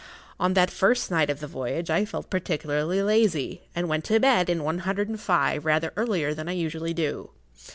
On that first night of the voyage I felt particularly lazy, and went to bed in one hundred and five rather earlier than I usually do.